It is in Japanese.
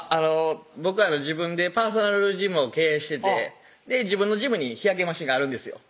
僕自分でパーソナルジムを経営してて自分のジムに日焼けマシンがあるんですよ